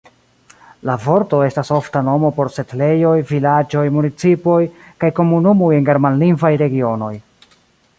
La vorto estas ofta nomo por setlejoj, vilaĝoj, municipoj kaj komunumoj en germanlingvaj regionoj.